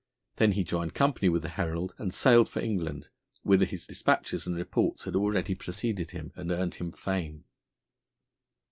Then he joined company with the Herald and sailed for England, whither his despatches and reports had already preceded him and earned him fame.